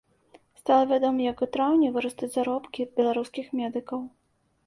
Стала вядома, як у траўні вырастуць заробкі беларускіх медыкаў.